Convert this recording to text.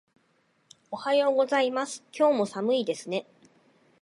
おはようございます。今日も寒いですね。